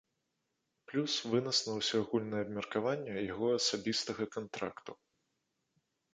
Плюс вынас на ўсеагульнае абмеркаванне яго асабістага кантракту.